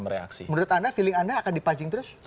mereaksi menurut anda feeling anda akan dipacing terus